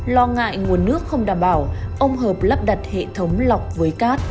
lo ngại nguồn nước không đảm bảo ông hợp lắp đặt hệ thống lọc với cát